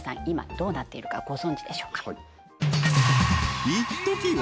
今どうなっているかご存じでしょうか？